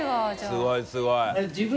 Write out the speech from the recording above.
すごいすごい。